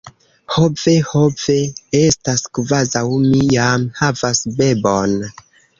Ho ve, ho ve! Estas kvazaŭ mi jam havas bebon.